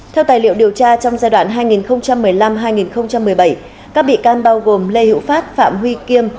theo tài liệu điều tra trong giai đoạn hai nghìn một mươi năm hai nghìn một mươi bảy các bị can bao gồm lê hữu phát phạm huy kiêm